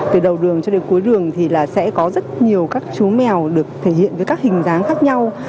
từ đầu đường cho đến cuối đường thì là sẽ có rất nhiều các chú mèo được thể hiện với các hình dáng khác nhau